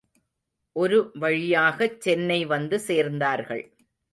ஒரு வழியாகச் சென்னை வந்து சேர்ந்தார்கள்.